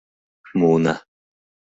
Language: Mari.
— Муына!